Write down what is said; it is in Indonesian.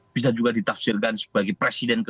bisa juga ditafsirkan sebagai presiden ke delapan